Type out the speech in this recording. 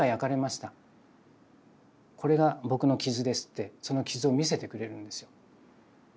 これが僕の傷ですってその傷を見せてくれるんですよ。